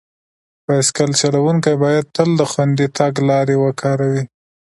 بایسکل چلونکي باید تل د خوندي تګ لارې وکاروي.